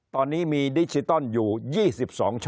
คนในวงการสื่อ๓๐องค์กร